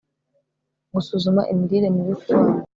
gusuzuma imirire mibi ku bana